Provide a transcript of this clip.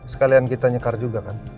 sekalian kita nyekar juga kan